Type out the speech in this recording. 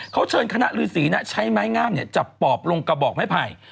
เขาเชิญคณะฤษีน่ะใช้ไม้งามเนี่ยจับปอบลงกระบอกให้ภัย